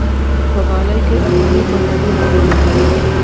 په غالۍ کې افغاني بڼه ډېره ښکلي وي.